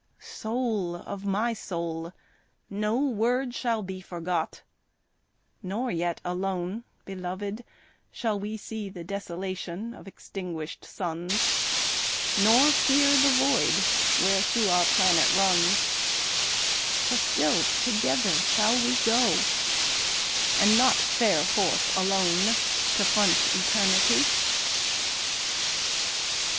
Soul of my soul, no word shall be forgot, Nor yet alone, beloved, shall we see The desolation of extinguished suns, Nor fear the void wherethro' our planet runs, For still together shall we go and not Fare forth alone to front eternity.